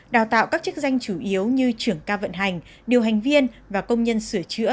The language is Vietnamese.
đào tạo các chức danh chủ yếu như trưởng ca vận hành điều hành viên và công nhân sửa chữa